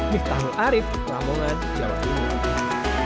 mihtamul arief ramongan jawa tenggara